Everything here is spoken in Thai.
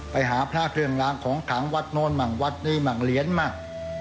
ไปหาพระเครื่องล้างของขังวัดโน้นหมั่งวัดนี้มั่งเหรียญมั่ง